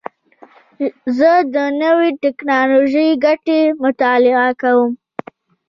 زه د نوې ټکنالوژۍ ګټې مطالعه کوم.